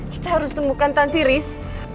kita harus temukan tanti riz